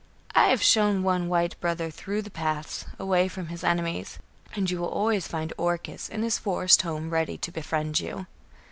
"I have shown one white brother through the paths, away from his enemies, and you will always find Oracus in his forest home ready to befriend you."